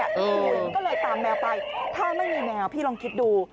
มันก็เลยตามแมวไปถ้าไม่มีแมวพี่ลองคิดดู